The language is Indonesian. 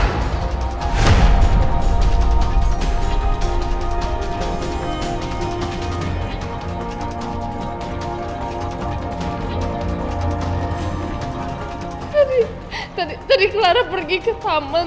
tadi tadi clara pergi ke taman